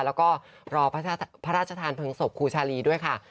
แล้วก็รอพระราชทานเพลิงศพครูชาลีด้วยค่ะ